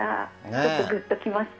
ちょっと、グッときました。